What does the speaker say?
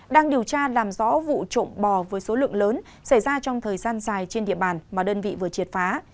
đang điều tra làm rõ vụ trộm bò với số lượng lớn xảy ra trong thời gian dài trên địa bàn mà đơn vị vừa triệt phá